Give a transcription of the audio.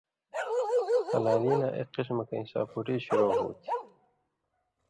ہلالیِں لا اک قسمَہ کَیں ساپُوٹی شُروع ہو تھی۔